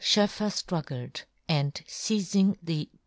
Schoeffer flrug gled, and feizing the.